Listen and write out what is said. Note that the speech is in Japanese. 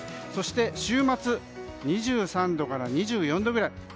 そして週末は２３度から２４度ぐらい。